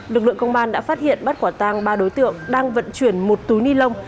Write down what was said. lực lượng công an đã phát hiện bắt quả tang ba đối tượng đang vận chuyển một túi ni lông